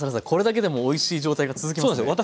「これだけでもおいしい」状態が続きますね。